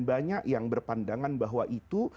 banyak yang berpandangan bahwa itu